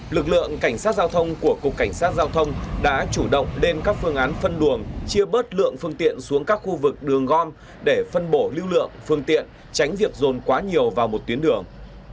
lực lượng cảnh sát giao thông của cục cảnh sát giao thông đã chủ động lên các phương án phân luồng chia bớt lượng phương tiện xuống các khu vực đường gom để phân bổ lưu lượng phương tiện tránh việc dồn quá nhiều vào một tuyến đường